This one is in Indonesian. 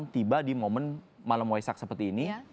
tiba di momen malam waisak seperti ini